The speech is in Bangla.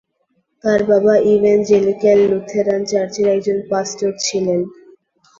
তার বাবা ইভ্যানজেলিক্যাল লুথেরান চার্চের একজন পাস্টর ছিলেন।